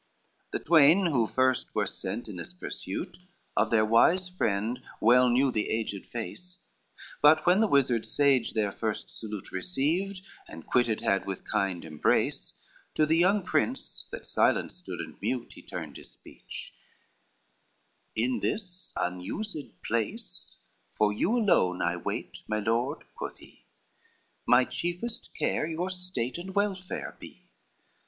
LIX The twain who first were sent in this pursuit Of their wise friend well knew the aged face: But when the wizard sage their first salute Received and quitted had with kind embrace, To the young prince, that silent stood and mute, He turned his speech, "In this unused place For you alone I wait, my lord," quoth he, "My chiefest care your state and welfare be.